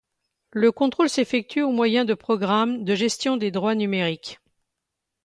Le contrôle s'effectue au moyen de programmes de gestion des droits numériques.